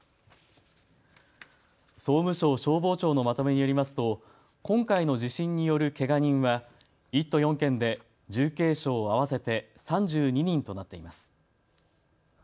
総務省消防庁のまとめによりますと今回の地震によるけが人は１都４県で重軽傷合わせて３２人となっています。